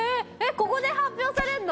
ここで発表されんの？